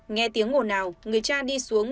nghe tiếng ngồn nào người cha đi xuống